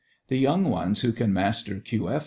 The young ones who can master Q. F.